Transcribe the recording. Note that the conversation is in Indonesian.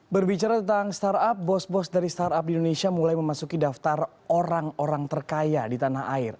berbicara tentang startup bos bos dari startup di indonesia mulai memasuki daftar orang orang terkaya di tanah air